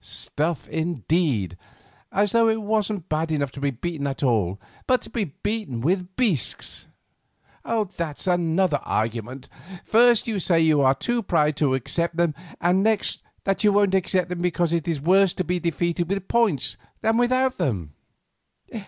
"Stuff, indeed! As though it wasn't bad enough to be beaten at all; but to be beaten with bisques!" "That's another argument," said Morris. "First you say you are too proud to accept them, and next that you won't accept them because it is worse to be defeated with points than without them."